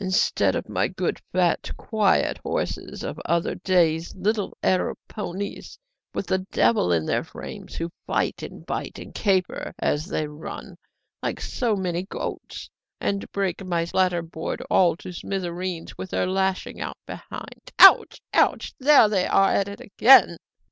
Instead of my good fat quiet horses of other days, little Arab ponies, with the devil in their frames, who fight and bite, caper as they run like so many goats, and break my splatterboard all to smithereens with their lashing out behind. Ouch! ouch! there they are at it again!